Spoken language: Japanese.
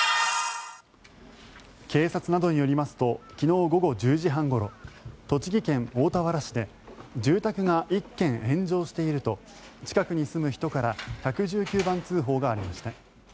警察などによりますと昨日午後１０時半ごろ栃木県大田原市で住宅が１軒炎上していると近くに住む人から１１９番通報がありました。